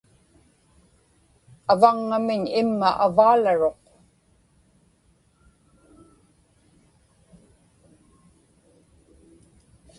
avaŋŋamiñ imma avaalaruq